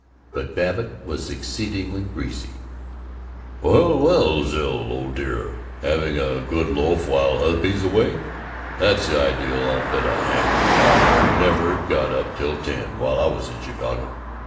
But Babbitt was exceedingly breezy: "Well, well, Zil, old dear, having a good loaf while hubby's away? That's the idea! I'll bet a hat Myra never got up till ten, while I was in Chicago.